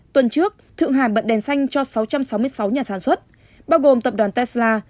tuần trước thượng hải bận đèn xanh cho sáu trăm sáu mươi sáu nhà sản xuất bao gồm tập đoàn tesla